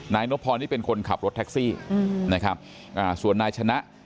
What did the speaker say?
นบพรนี่เป็นคนขับรถแท็กซี่นะครับอ่าส่วนนายชนะ